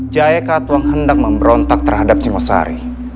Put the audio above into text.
jaya katuang hendak memberontak terhadap si masari